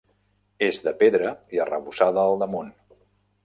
És de pedra i arrebossada al damunt.